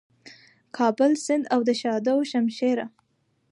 کابل سیند او د شاه دو شمشېره